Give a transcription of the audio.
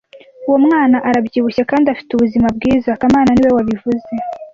Uwo mwana arabyibushye kandi afite ubuzima bwiza kamana niwe wabivuze